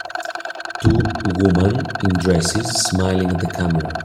Two woman in dresses smiling at the camera.